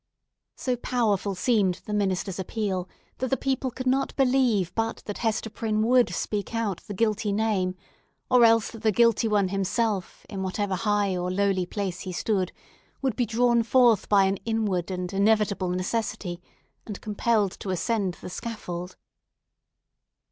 So powerful seemed the minister's appeal that the people could not believe but that Hester Prynne would speak out the guilty name, or else that the guilty one himself in whatever high or lowly place he stood, would be drawn forth by an inward and inevitable necessity, and compelled to ascend the scaffold.